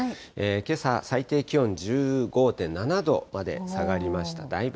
けさ、最低気温１５．７度まで下がりました。